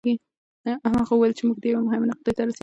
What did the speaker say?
هغې وویل چې موږ یوې مهمې نقطې ته رسېدلي یوو.